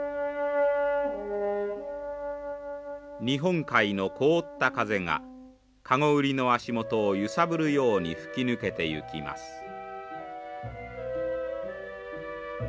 日本海の凍った風がカゴ売りの足元を揺さぶるように吹き抜けていきます。